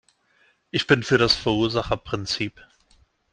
Ich bin für das Verursacherprinzip.